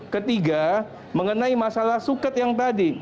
ketiga mengenai masalah suket yang tadi